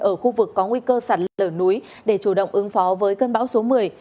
ở khu vực có nguy cơ sạt lở núi để chủ động ứng phó với cơn bão số một mươi